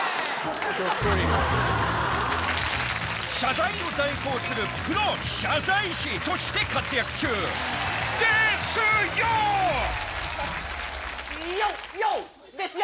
謝罪を代行するプロ謝罪師、として活躍中。ですよ。